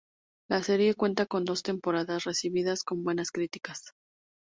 La serie cuenta con dos temporadas recibidas con buenas críticas.